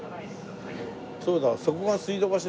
そうだ。